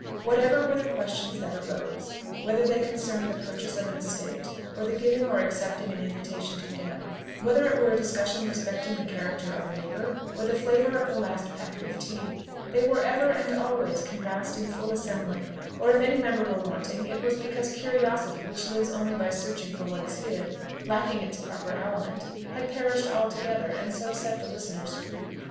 Whatever were the questions that arose, whether they concerned the purchase of an estate, or the giving or accepting an invitation to dinner, whether it were a discussion respecting the character of a neighbour, or the flavour of the last packet of tea, they were ever and always canvassed in full assembly; or if any members were wanting, it was because curiosity, which lives only by searching for what is hid, lacking its proper aliment, had perished altogether, and so set the listeners free.